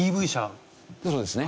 そうですね。